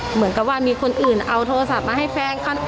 เหมือนกับว่ามีคนอื่นเอาโทรศัพท์มาให้แฟนเขา